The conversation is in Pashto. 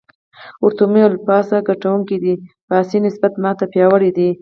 ورته ومې ویل: باسي ګټونکی دی، باسي نسبت ما ته پیاوړی دی.